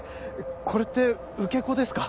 これって受け子ですか？